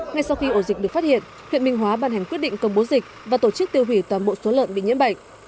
ngay sau khi ổ dịch được phát hiện huyện minh hóa ban hành quyết định công bố dịch và tổ chức tiêu hủy toàn bộ số lợn bị nhiễm bệnh